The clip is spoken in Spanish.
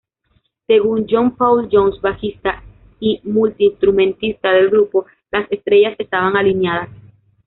Según John Paul Jones, bajista y multi-instrumentista del grupo, "las estrellas estaban alineadas".